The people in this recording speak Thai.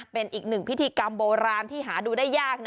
เป็นอีกหนึ่งพิธีกรรมโบราณที่หาดูได้ยากนะ